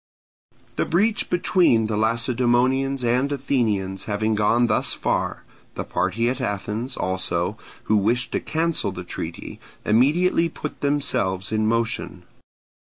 The breach between the Lacedaemonians and Athenians having gone thus far, the party at Athens, also, who wished to cancel the treaty, immediately put themselves in motion.